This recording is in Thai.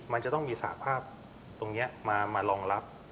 มันจะต้องมีสาภาพตรงนี้มารองรับ